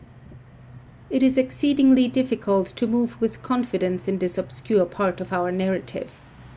It is exceedingly difficult to move with confidence in this obscure part of our narrative.